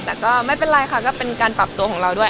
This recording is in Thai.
แต่ก็ไม่เป็นไรค่ะก็เป็นการปรับตัวของเราด้วย